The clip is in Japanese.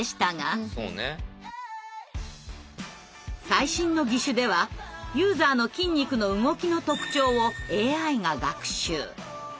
最新の義手ではユーザーの筋肉の動きの特徴をＡＩが学習。